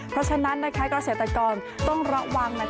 เพราะฉะนั้นนะคะกระเศรษฐกรต้องระวังนะคะ